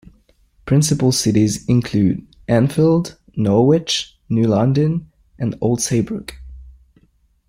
Principal cities include: Enfield, Norwich, New London, and Old Saybrook.